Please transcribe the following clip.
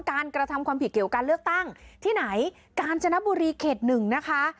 กระทำความผิดเกี่ยวกับการเลือกตั้งที่ไหนกาญจนบุรีเขตหนึ่งนะคะ